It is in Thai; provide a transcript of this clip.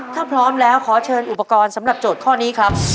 ถ้าพร้อมแล้วขอเชิญอุปกรณ์สำหรับโจทย์ข้อนี้ครับ